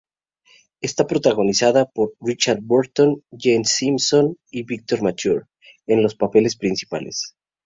Está protagonizada por Richard Burton, Jean Simmons y Victor Mature en los papeles principales.